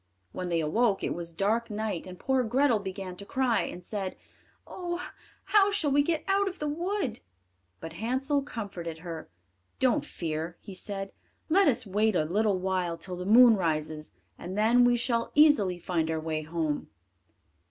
When they awoke it was dark night, and poor Grethel began to cry, and said, "Oh, how shall we get out of the wood?" But Hansel comforted her. "Don't fear," he said; "let us wait a little while till the moon rises, and then we shall easily find our way home."